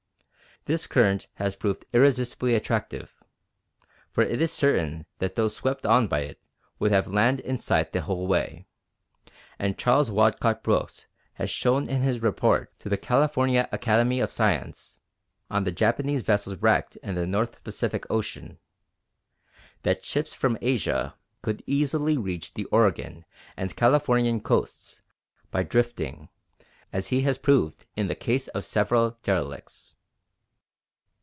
This current has proved irresistibly attractive, for it is certain that those swept on by it would have land in sight the whole way, and Charles Waldcott Brooks has shown in his report to the California Academy of Science on the Japanese Vessels wrecked in the North Pacific Ocean, that ships from Asia could easily reach the Oregon and Californian coasts by drifting, as he has proved in the case of several derelicts.